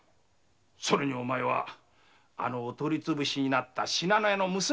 それにお前はお取り潰しになった信濃屋の娘だってね。